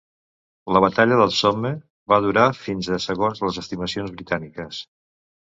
La batalla del Somme va durar fins a segons les estimacions britàniques.